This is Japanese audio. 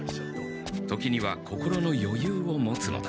時には心のよゆうを持つのだ。